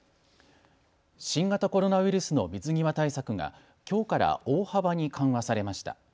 新型コロナウイルスの水際対策がきょうから大幅に緩和されました。